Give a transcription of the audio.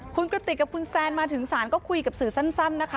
คุณกระติกกับคุณแซนมาถึงศาลก็คุยกับสื่อสั้นนะคะ